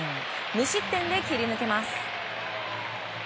無失点で切り抜けます。